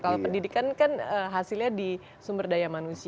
kalau pendidikan kan hasilnya di sumber daya manusia